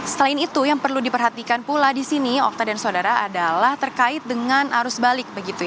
selain itu yang perlu diperhatikan pula di sini okta dan saudara adalah terkait dengan arus balik